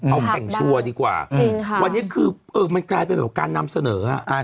เอาแข่งชัวร์ดีกว่าวันนี้คือมันกลายเป็นแบบการนำเสนอ